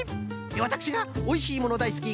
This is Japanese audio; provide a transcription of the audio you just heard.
わたくしがおいしいものだいすき